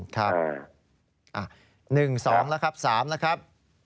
๑๒แล้วครับ๓แล้วครับ